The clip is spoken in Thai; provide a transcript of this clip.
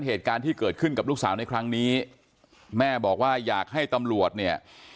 เหตุการณ์ที่เกิดขึ้นกับลูกสาวในครั้งนี้แม่บอกว่าอยากให้ตำรวจเนี่ย